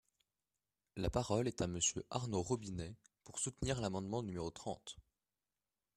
La parole est à Monsieur Arnaud Robinet, pour soutenir l’amendement numéro trente.